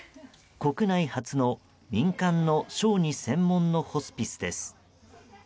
国内初の民間の小児専門のホスピスです。